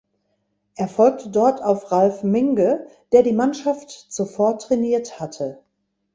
Er folgte dort auf Ralf Minge, der die Mannschaft zuvor trainiert hatte.